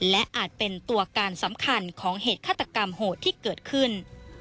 และอาจเป็นตัวการสำคัญของเหตุฆาตกรรมโหดที่เกิดขึ้น